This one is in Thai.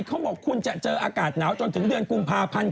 เขาบอกคุณจะเจออากาศหนาวจนถึงเดือนกุมภาพันธ์